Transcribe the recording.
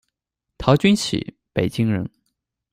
陶君起，北京人。